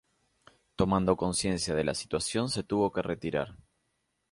Tomando conciencia de la situación se tuvo que retirar